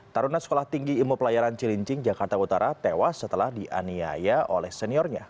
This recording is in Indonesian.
taruna sekolah tinggi ilmu pelayaran cilincing jakarta utara tewas setelah dianiaya oleh seniornya